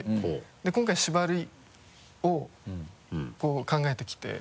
で今回縛りを考えてきて。